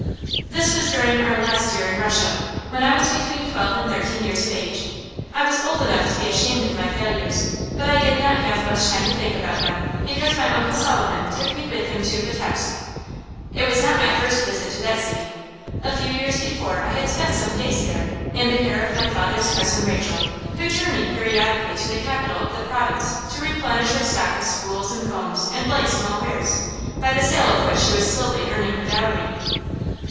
This was during our last year in Russia, when I was between twelve and thirteen years of age. I was old enough to be ashamed of my failures, but I did not have much time to think about them, because my Uncle Solomon took me with him to Vitebsk. It was not my first visit to that city. A few years before I had spent some days there, in the care of my father's cousin Rachel, who journeyed periodically to the capital of the province to replenish her stock of spools and combs and like small wares, by the sale of which she was slowly earning her dowry.